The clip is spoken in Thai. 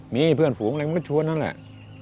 มีเพื่อนฝูงอะไรมันก็ชวนนั่นแหละ